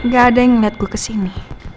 gak ada yang liat gue kesini